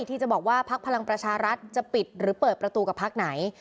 ที่จะบอกว่าพักพลังประชารัฐจะปิดหรือเปิดประตูกับพักไหน